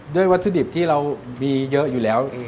วัตถุดิบที่เรามีเยอะอยู่แล้ว